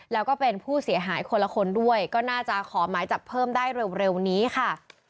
แล้วก็เป็นผู้เสียหายคนละคนด้วยก็น่าจะขอหมายจับเพิ่มได้เร็วนี้ค่ะ